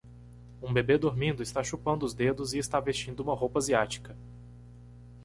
Um bebê dormindo está chupando os dedos e está vestindo uma roupa asiática.